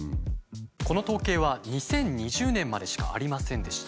この統計は２０２０年までしかありませんでした。